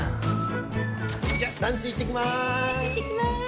じゃあランチ行ってきまーす。